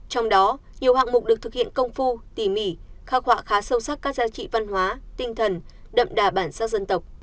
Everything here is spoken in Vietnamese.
trong đó nhiều hạng mục được thực hiện công phu tỉ mỉ khắc họa khá sâu sắc các giá trị văn hóa tinh thần đậm đà bản sắc dân tộc